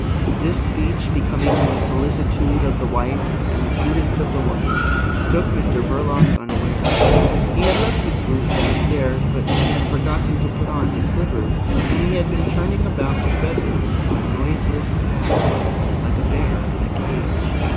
This speech, becoming the solicitude of the wife and the prudence of the woman, took Mr Verloc unawares. He had left his boots downstairs, but he had forgotten to put on his slippers, and he had been turning about the bedroom on noiseless pads like a bear in a cage.